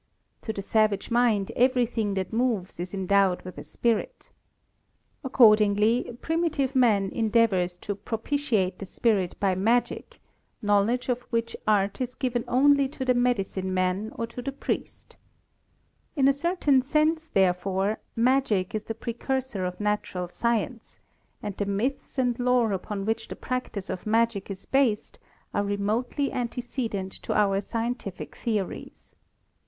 To the savage mind every thing that moves is endowed with a Spirit. Accordingly primitive man endeavors to propitiate the Spirit by magic, knowledge of which art is given only to the medicine man EVOLUTION OF IDEAS 3 or to the priest. In a certain sense, therefore, magic is the precursor of natural science, and the myths and lore upon which the practice of magic is based are remotely ante cedent to our scientific theories.